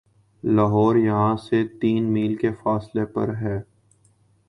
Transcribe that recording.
لاہور یہاں سے تین میل کے فاصلے پر ہے